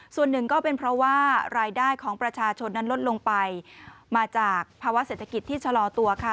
ส่วนหนึ่งก็เป็นเพราะว่ารายได้ของประชาชนนั้นลดลงไปมาจากภาวะเศรษฐกิจที่ชะลอตัวค่ะ